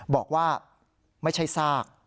บอกว่าไม่ใช่ซาก